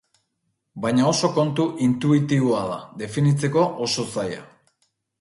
Baina oso kontu intuitiboa da, definitzeko oso zaila.